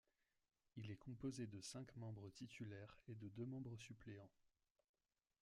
Il est composé de cinq membres titulaires et de deux membres suppléants.